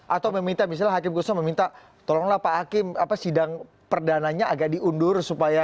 atau meminta misalnya hakim gusno meminta tolonglah pak hakim sidang perdananya agak diundur supaya